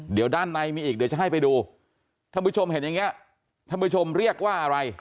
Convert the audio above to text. เดี๋ยวด้านในมีอีกเดี๋ยวจะให้ไปดูท่านผู้ชมเห็นอย่างนี้ท่านผู้ชมเรียกว่าอะไร